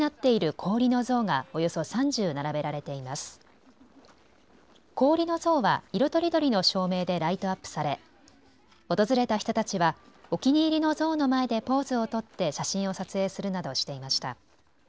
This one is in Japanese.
氷の像は色とりどりの照明でライトアップされ訪れた人たちはお気に入りの像の前でポーズを取って写真を撮影するなどしていました。